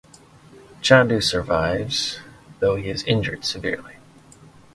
Chandu survives, though he is injured severely.